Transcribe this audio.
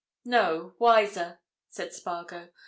"No—wiser," said Spargo.